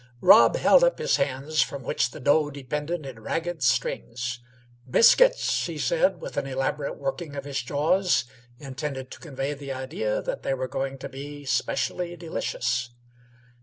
I Rob held up his hands, from which the dough depended in ragged strings. "Biscuits," he said, with an elaborate working of his jaws, intended to convey the idea that they were going to be specially delicious.